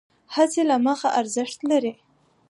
هڅې له مخې ارزښت لرې،